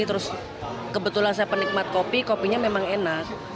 terus kebetulan saya penikmat kopi kopinya memang enak